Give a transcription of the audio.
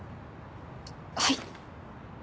はい。